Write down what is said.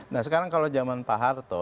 nah sekarang kalau zaman pak harto